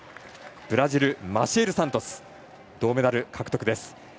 ブラジルマシエル・サントス銅メダル獲得です。